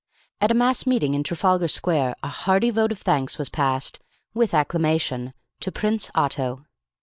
At a mass meeting in Trafalgar Square a hearty vote of thanks was passed, with acclamation, to Prince Otto.